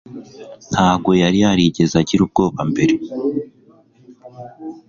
Ntabwo yari yarigeze agira ubwoba mbere